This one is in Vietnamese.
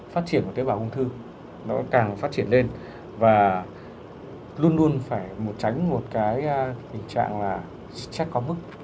phát triển một tế bào ung thư nó càng phát triển lên và luôn luôn phải tránh một cái tình trạng là xét có mức